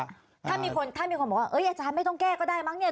ถ้ามีคนถ้ามีคนบอกว่าอาจารย์ไม่ต้องแก้ก็ได้มั้งเนี่ย